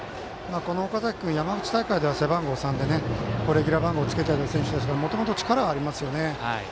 この岡崎君は山口大会で背番号３で、レギュラー番号をつけている選手ですからもともと力はありますよね。